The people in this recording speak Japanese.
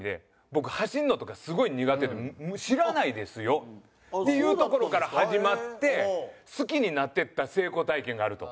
「僕走るのとかすごい苦手で知らないですよ」っていうところから始まって好きになっていった成功体験があると。